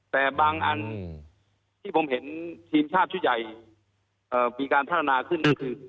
แต่บางอันที่ผมเห็นทีมชาติชุดใหญ่มีการพัฒนาขึ้นก็คือ